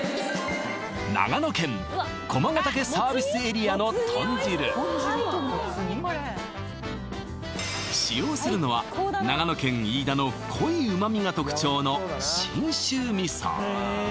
長野県駒ヶ岳サービスエリアの豚汁使用するのは長野県飯田の濃い旨味が特徴の信州味噌